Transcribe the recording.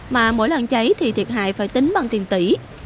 mà mỗi lần cháy thì thiệt hại phải tính bằng tiền tỷ